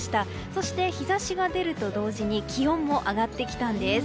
そして、日差しが出ると同時に気温も上がってきたんです。